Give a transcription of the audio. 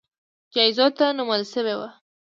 جایزو ته نومول شوي وو